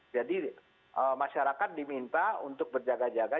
masyarakat diminta untuk berjaga jaga